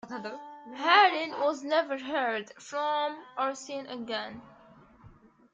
"Herring" was never heard from or seen again.